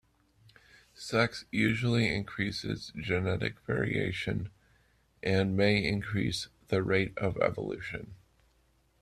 Sex usually increases genetic variation and may increase the rate of evolution.